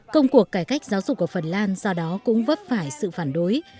công cuộc cải cách giáo dục của phần lan do đó cũng vấp phải sự phản đối